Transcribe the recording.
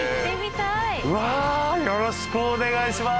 よろしくお願いします。